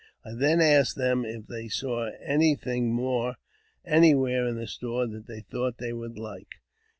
I then asked them if they saw anything more anywhere in the store that they thought they would like.